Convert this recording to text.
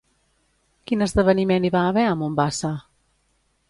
Quin esdeveniment hi va haver a Mombassa?